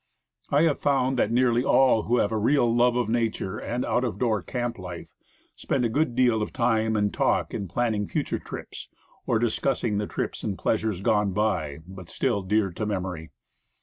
I have found that nearly all who have a real love of nature and out of door camp life, spend a good deal of time and talk in planning future trips, or discussing the trips and pleasures gone by, but still dear to memory.